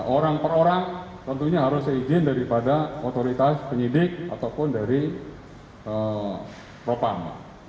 orang per orang tentunya harus seizin daripada otoritas penyidik ataupun dari propam